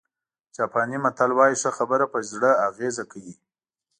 جاپاني متل وایي ښه خبره په زړه اغېزه کوي.